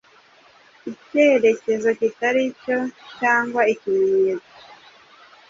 ikerekezo kitari cyo cyangwa ikimenyetso